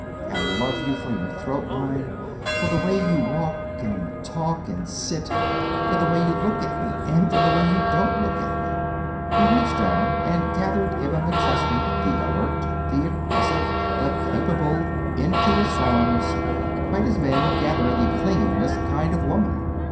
I love you for your throat line, and for the way you walk and talk and sit, for the way you look at me, and for the way you don't look at me." He reached down and gathered Emma McChesney, the alert, the aggressive, the capable, into his arms, quite as men gather the clingingest kind of woman.